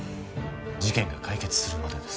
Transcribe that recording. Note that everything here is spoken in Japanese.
事件が解決するまでです